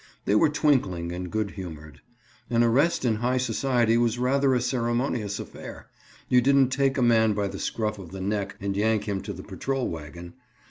They were twinkling and good humored. An arrest in high society was rather a ceremonious affair. You didn't take a man by the scruff of the neck and yank him to the patrol wagon.